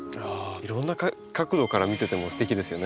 いろんな角度から見ててもすてきですよね。